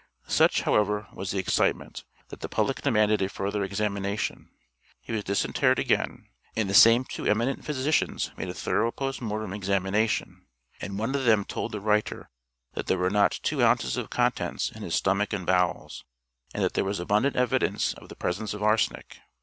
Such, however, was the excitement, that the public demanded a further examination; he was disinterred again, and the same two eminent physicians made a thorough post mortem examination, and one of them told the writer that there were not two ounces of contents in his stomach and bowels, and that there was abundant evidence of the presence of arsenic.